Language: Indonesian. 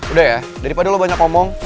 udah ya daripada lo banyak ngomong